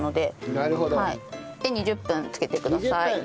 なるほど。で２０分漬けてください。